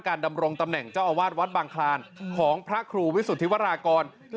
ดำรงตำแหน่งเจ้าอาวาสวัดบางคลานของพระครูวิสุทธิวรากร